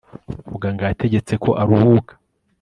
Muganga yategetse ko aruhuka